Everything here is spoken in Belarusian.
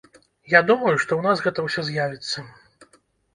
Я думаю, што ў нас гэта ўсё з'явіцца.